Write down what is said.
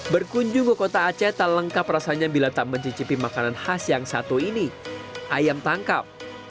berkunjung ke kota aceh tak lengkap rasanya bila tak mencicipi makanan khas yang satu ini ayam tangkap